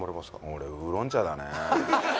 俺ウーロン茶だね。